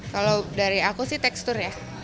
kalau dari aku sih teksturnya